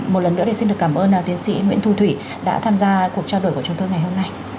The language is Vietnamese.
một lần nữa thì xin được cảm ơn tiến sĩ nguyễn thu thủy đã tham gia cuộc trao đổi của chúng tôi ngày hôm nay